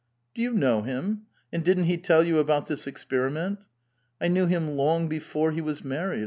" Do you know him ? And didn't he tell you about this experiment?" *'I knew him long before he was married.